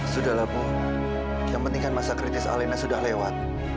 sudahlah bu yang penting masa kritis alena sudah lewat